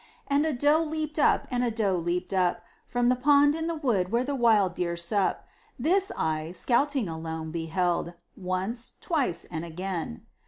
And a doe leaped up, and a doe leaped up From the pond in the wood where the wild deer sup. This I, scouting alone, beheld, Once, twice and again!